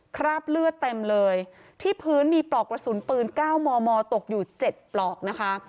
คราบเลือดเต็มเลยที่พื้นมีปลอกกระสุนปืน๙มมตกอยู่๗ปลอกนะคะ